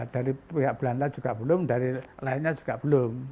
dari pihak belanda juga belum dari lainnya juga belum